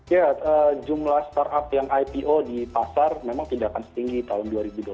ya jumlah startup yang ipo di pasar memang tidak akan setinggi tahun dua ribu dua puluh satu